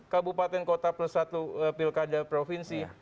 kabupaten kota persatu pilkada provinsi